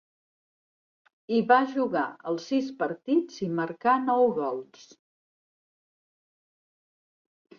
Hi va jugar els sis partits, i marcà nou gols.